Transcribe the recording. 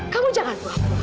kamu jangan berapura